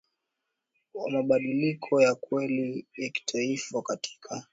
wa mabadiliko ya kweli ya kitaifa Katika